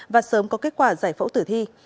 và sớm có kết quả giải phẫu tử thi